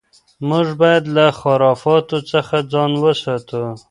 موږ باید له خرافاتو څخه ځان وساتو.